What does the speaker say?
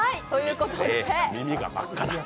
耳が真っ赤だ。